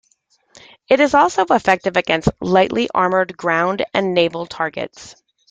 It is also effective against lightly armored ground and naval targets.